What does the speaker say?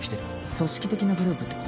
組織的なグループって事？